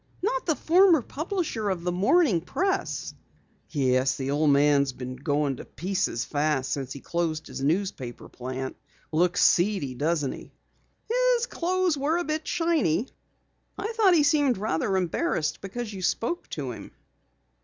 "Not the former publisher of the Morning Press!" "Yes, the old man's been going to pieces fast since he closed his newspaper plant. Looks seedy, doesn't he?" "His clothes were a bit shiny. I thought he seemed rather embarrassed because you spoke to him."